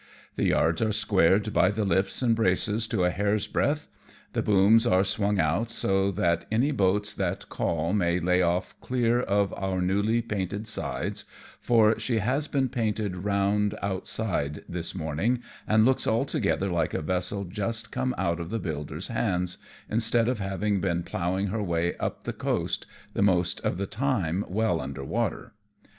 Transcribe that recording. The yards are squared by the lifts and braces to a hair's breadth ; the booms are swung out, so that any boats that call may lay off clear of our newly painted sides, for she has been painted round outside this morningj and looks altogether like a vessel just come out of the buUders' hands, instead of having been ploughing her way up the coast, the most of the time well under water.